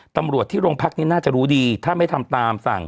ตำรวจที่โรงพักนี้น่าจะรู้ดีถ้าไม่ทำตามสั่ง